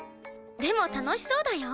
でも楽しそうだよ？